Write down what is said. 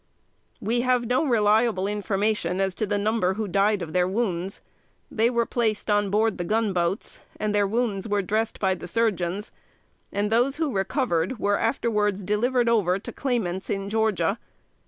We have no reliable information as to the number who died of their wounds. They were placed on board the gun boats, and their wounds were dressed by the surgeons; and those who recovered were afterwards delivered over to claimants in Georgia.